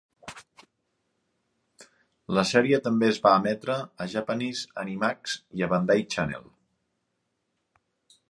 La sèrie també es va emetre a Japanese Animax i a Bandai Channel.